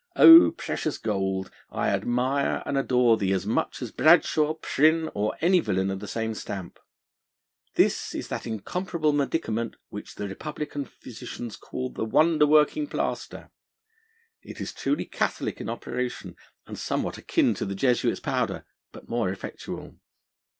O precious gold, I admire and adore thee as much as Bradshaw, Prynne, or any villain of the same stamp. This is that incomparable medicament, which the republican physicians call the wonder working plaster. It is truly catholic in operation, and somewhat akin to the Jesuit's powder, but more effectual.